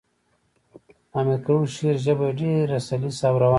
د امیر کروړ شعر ژبه ئي ډېره سلیسه او روانه ده.